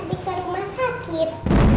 kamu ke rumah sakit